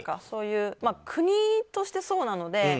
そういう国としてそうなので。